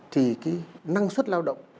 thì cái năng suất lao động